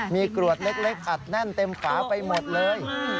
มีกรวดเล็กอัดแน่นเต็มฝาไปหมดเลย